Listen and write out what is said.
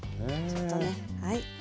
ちょっとねはい。